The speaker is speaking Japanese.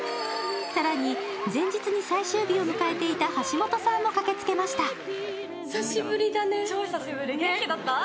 更に前日に最終日を迎えていた橋本さんも駆けつけました。